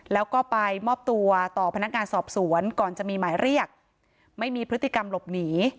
แล้วก็ไปมอบตัวต่อพนักงานสอบสวนก่อนจะมีหมายเรียกไม่มีพฤติกรรมหลบหนี